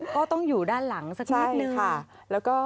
ก็ต้องอยู่ด้านหลังสักนิดนึงใช่ค่ะแล้วก็